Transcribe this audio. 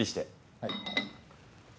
はい。